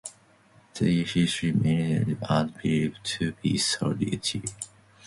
They are highly migratory and believed to be solitary.